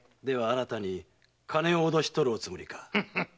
では新たに金を脅し取るおつもりか？